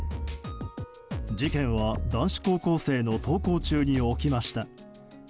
事件は男子高校生の登校中に起きました。